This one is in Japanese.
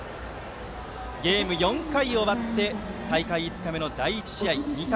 ゲームは４回を終わって大会５日目の第１試合２対